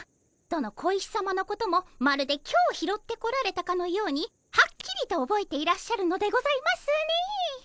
どの小石さまのこともまるで今日拾ってこられたかのようにはっきりとおぼえていらっしゃるのでございますねえ。